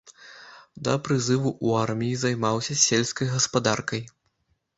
Да прызыву ў армію займаўся сельскай гаспадаркай.